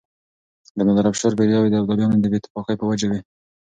د نادرافشار برياوې د ابدالیانو د بې اتفاقۍ په وجه وې.